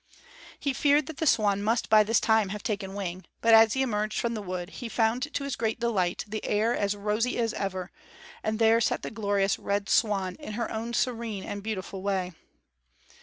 He feared that the swan must by this time have taken wing; but as he emerged from the wood, he found to his great delight the air as rosy as ever, and there sat the glorious Red Swan in her own serene and beautiful way.